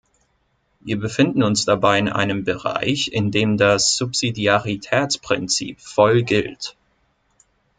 Wir befinden uns dabei in einem Bereich, in dem das Subsidiaritätsprinzip voll gilt.